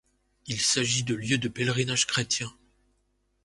Il s'agit de lieux de pèlerinage chrétien.